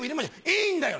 「いいんだよ」